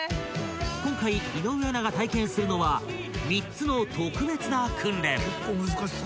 ［今回井上アナが体験するのは３つの特別な訓練］